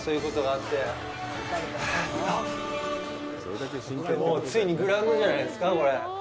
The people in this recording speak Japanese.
あっ、これ、もうついにグラウンドじゃないですか、これ。